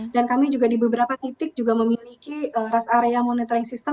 dan kami juga di beberapa titik juga memiliki rest area monitoring system